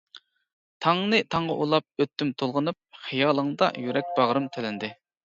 تاڭنى تاڭغا ئۇلاپ ئۆتتۈم تولغىنىپ، خىيالىڭدا يۈرەك باغرىم تىلىندى.